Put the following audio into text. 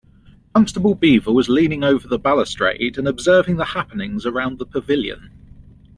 Constable Beaver was leaning over the balustrade and observing the happenings around the pavilion.